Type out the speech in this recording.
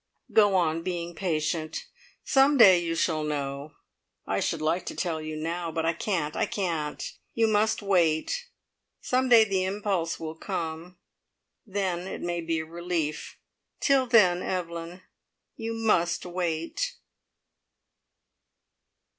Go on being patient! Some day you shall know. I should like to tell you now, but I can't, I can't! You must wait. Some day the impulse will come, then it may be a relief. Till then, Evelyn, you must wait!"